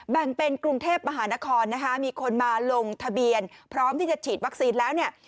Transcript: แบ่งเป็นกรุงเทพมหานครนะคะมีคนมาลงทะเบียนพร้อมที่จะฉีดวัคซีนแล้วเนี่ย